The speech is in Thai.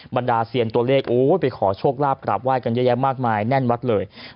บรรดาเซียนตัวเลขโอ้ยไปขอโชคลาภกราบไห้กันเยอะแยะมากมายแน่นวัดเลย